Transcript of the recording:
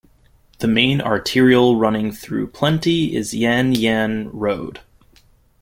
The main arterial running through Plenty is Yan Yean Road.